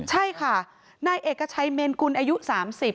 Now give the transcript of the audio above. ใช่ค่ะนายเอกชัยเมนกุลอายุ๓๐